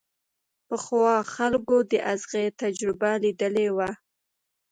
پخوا خلکو د ازغي تجربه ليدلې وه.